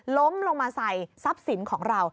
ล้มลงมาใส่ทรัพย์สินของเรา